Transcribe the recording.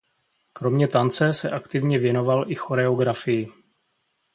Kromě tance se aktivně věnoval i choreografii.